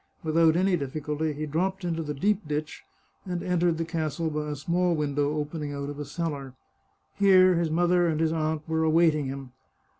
Without any difficulty he dropped into the deep ditch and entered the castle by a small window opening out of a cellar. Here his mother and his aunt were awaiting him.